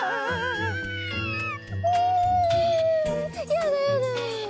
やだやだ。